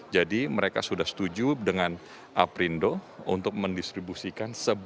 jadi mereka sudah setuju dengan aprindo untuk mendistribusikan